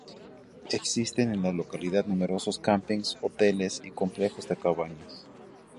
Existen en la localidad numerosos campings, hoteles y complejos de cabañas.